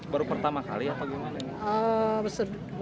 baru pertama kali apa gimana